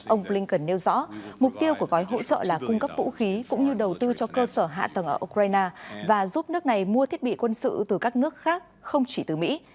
ông blinken nêu rõ mục tiêu của gói hỗ trợ là cung cấp vũ khí cũng như đầu tư cho cơ sở hạ tầng ở ukraine và giúp nước này mua thiết bị quân sự từ các nước khác không chỉ từ mỹ